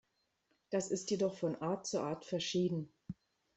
Das ist jedoch von Art zu Art verschieden.